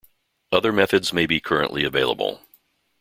Other methods may be currently available.